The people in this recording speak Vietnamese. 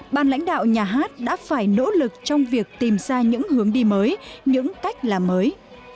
ban lãnh đạo nhà hát đã phải nỗ lực trong việc tìm ra những hướng đi mới những cách làm mới